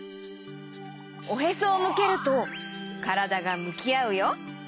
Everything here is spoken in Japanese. おへそをむけるとからだがむきあうよ。